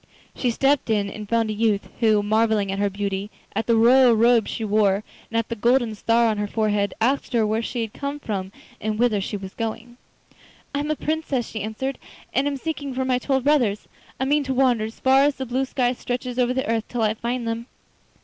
She stepped in and found a youth who, marvelling at her beauty, at the royal robes she wore, and at the golden star on her forehead, asked her where she came from and whither she was going. 'I am a Princess,' she answered, 'and am seeking for my twelve brothers. I mean to wander as far as the blue sky stretches over the earth till I find them.